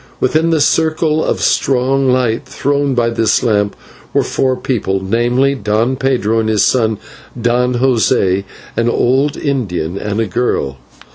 Within the circle of strong light thrown by this lamp were four people, namely, Don Pedro, his son Don José, an old Indian, and a girl.